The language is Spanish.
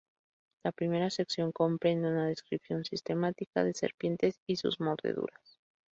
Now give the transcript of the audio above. La primera sección comprende una descripción sistemática de serpientes y sus mordeduras.